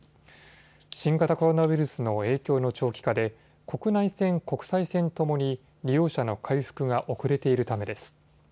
新型コロナウイルスの影響の長期化で国内線、国際線ともに利用者の回復が遅れているためです。